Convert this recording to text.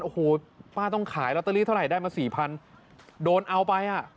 โอ้โหป้าต้องขายลอตเตอรี่เท่าไหร่ได้มาสี่พันโดนเอาไปอ่ะ